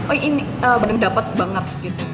oh ini benar benar dapat banget